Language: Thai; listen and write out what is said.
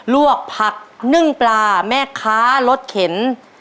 วกผักนึ่งปลาแม่ค้ารสเข็น